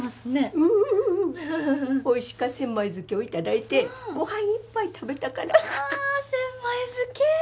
ウフフフおいしか千枚漬けをいただいてごはんいっぱい食べたからあ千枚漬け